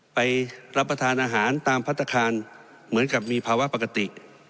ไปรับประทานอาหารตามพัฒนาคารเหมือนกับมีภาวะปกติ